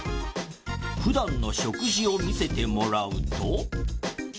普段の食事を見せてもらうと。